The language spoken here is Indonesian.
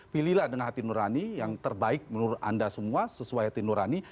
pilihlah dengan hati nurani yang terbaik menurut anda semua sesuai hati nurani